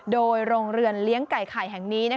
โดยโรงเรือนเลี้ยงไก่ไข่แห่งนี้